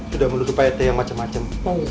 sudah menuduh pak rete yang macam macam